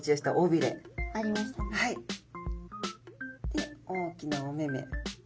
で大きなお目々。